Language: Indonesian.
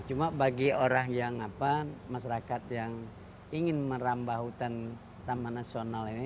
cuma bagi orang yang apa masyarakat yang ingin merambah hutan taman nasional ini